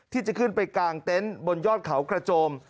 ที่จะขึ้นไปกางเต็นต์บนยอดเขากระโจม